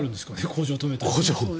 工場を止めたら。